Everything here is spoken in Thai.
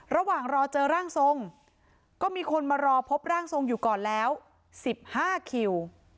ระหว่างรอเจอร่างทรงก็มีคนมารอพบร่างทรงอยู่ก่อนแล้ว๑๕คิว